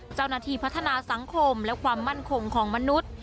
เจ้าหน้าที่พัฒนาสังคมและความมั่นคงของมนุษย์